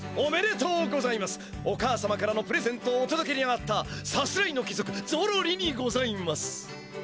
お母様からのプレゼントをおとどけに上がったさすらいのきぞくゾロリにございます。